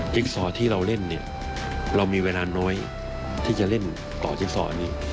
ซอที่เราเล่นเนี่ยเรามีเวลาน้อยที่จะเล่นต่อจิ๊กซอนี้